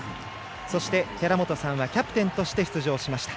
そして寺本さんはキャプテンとして出場。